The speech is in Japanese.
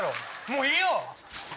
もういいよ！